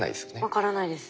分からないです。